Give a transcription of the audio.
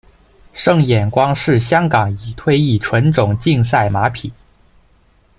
胜眼光是香港已退役纯种竞赛马匹。